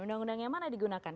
undang undang yang mana digunakan